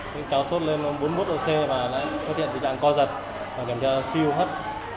những cháu sốt lên bốn mươi một độ c và lại xuất hiện tình trạng co giật và kiểm tra siêu hấp